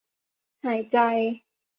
หายใจ